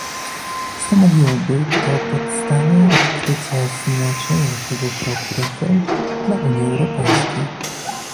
Stanowiłoby to podstawę odkrycia znaczenia tego kroku reform dla Unii Europejskiej